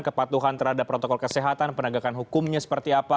kepatuhan terhadap protokol kesehatan penegakan hukumnya seperti apa